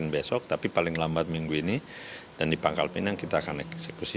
besok tapi paling lambat minggu ini dan di pangkal pinang kita akan eksekusi